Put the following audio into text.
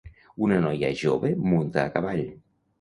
Una noia jove munta a cavall.